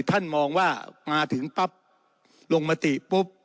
ท่านมองว่ามาถึงปั๊บลงมติปุ๊บ